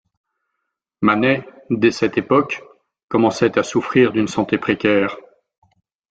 Manet, dès cette époque, commençait à souffrir d’une santé précaire.